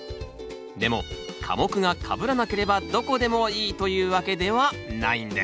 でも科目がかぶらなければどこでもいいというわけではないんです